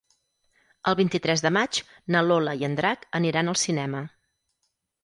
El vint-i-tres de maig na Lola i en Drac aniran al cinema.